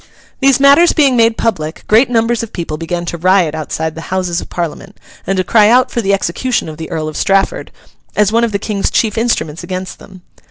These matters being made public, great numbers of people began to riot outside the Houses of Parliament, and to cry out for the execution of the Earl of Strafford, as one of the King's chief instruments against them.